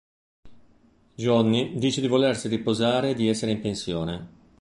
Johnny dice di volersi riposare e di essere in pensione.